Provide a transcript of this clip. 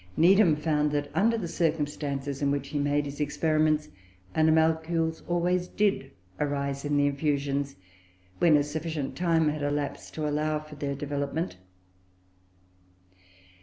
Needham found that, under the circumstances in which he made his experiments, animalcules always did arise in the infusions, when a sufficient time had elapsed to allow for their development.